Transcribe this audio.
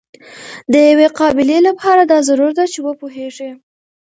د یوې قابلې لپاره دا ضرور ده چې وپوهیږي.